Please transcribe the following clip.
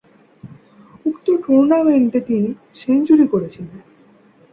উক্ত টুর্নামেন্টে তিনি সেঞ্চুরি করেছিলেন।